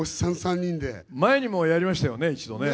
前にもやりましたよね、一度ね。